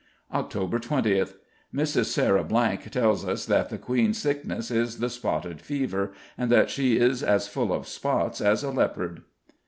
Oct. 20th: Mrs. Sarah tells us that the Queen's sickness is the spotted fever, and that she is as full of spots as a leopard.